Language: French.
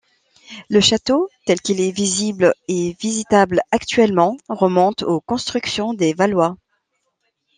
Le château, tel qu'il est visible et visitable actuellement, remonte aux constructions des Valois.